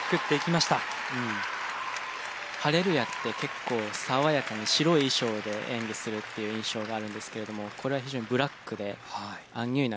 『ハレルヤ』って結構爽やかに白い衣装で演技するっていう印象があるんですけれどもこれは非常にブラックでアンニュイな感じですよね。